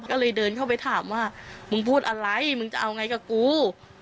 ก็เลยเดินเข้าไปถามว่ามึงพูดอะไรมึงจะเอาไงกับกู